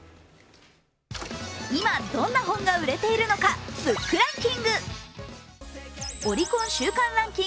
今、どんな本が売れているのか、ブックランキング。